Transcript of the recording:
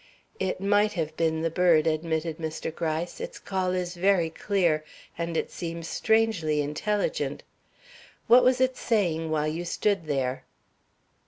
"It might have been the bird," admitted Mr. Gryce. "Its call is very clear, and it seems strangely intelligent. What was it saying while you stood there?"